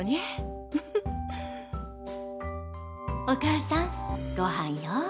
お母さんごはんよ。